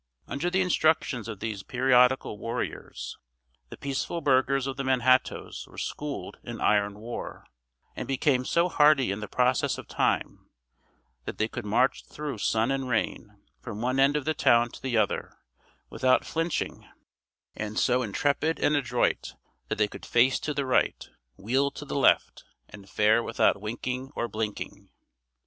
Under the instructions of these periodical warriors, the peaceful burghers of the Manhattoes were schooled in iron war, and became so hardy in the process of time, that they could march through sun and rain, from one end of the town to the other, without flinching; and so intrepid and adroit, that they could face to the right, wheel to the left, and fare without winking or blinking.